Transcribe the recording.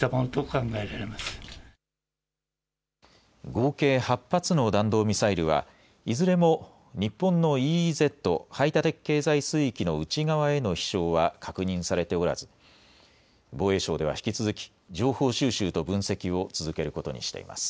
合計８発の弾道ミサイルはいずれも日本のＥＥＺ・排他的経済水域の内側への飛しょうは確認されておらず防衛省では引き続き情報収集と分析を続けることにしています。